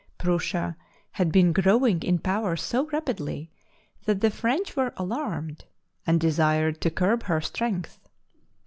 Prussia had been growing in power so rapidly that the French were alarmed, and desired to curb her strength.